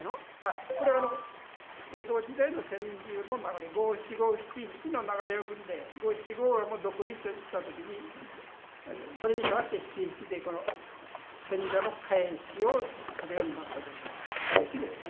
これ江戸時代の川柳の中に五七五七七の流れをくんで五七五が独立した時にそれにかわって七七でこの選者の返しをするようになったということで返しですね。